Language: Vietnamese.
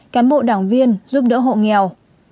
cán bộ đảng viên giúp đỡ hộ nghèo